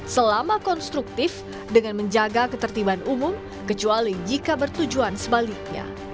selama konstruktif dengan menjaga ketertiban umum kecuali jika bertujuan sebaliknya